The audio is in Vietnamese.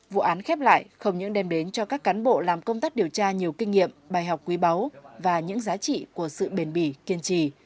vụ án khép lại không những đem đến cho các cán bộ làm công tác điều tra nhiều kinh nghiệm bài học quý báu và những giá trị của sự bền bỉ kiên trì